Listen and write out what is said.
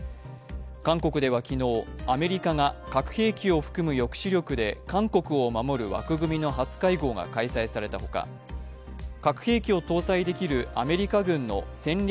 韓国では昨日、アメリカが核兵器を含む抑止力で韓国を守る枠組みの初会合が行われたほか、核兵器を搭載できるアメリカ軍の戦略